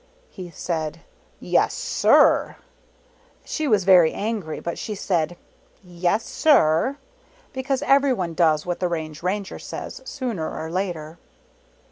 He said, "Yes, SIR." 17 I '. She was very angry, but she said, "Yes, sir," because everyone does what the Range Ranger says, sooner or later.